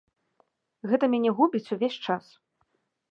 Гэта мяне губіць увесь час.